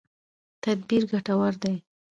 تدبیر ګټور دی.